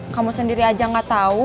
kamu sendiri aja gak tahu